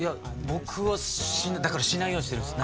僕はしないだからしないようにしてるんです。